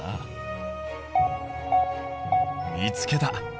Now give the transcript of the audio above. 見つけた。